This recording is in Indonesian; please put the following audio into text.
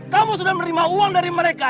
kamu sudah menerima uang dari mereka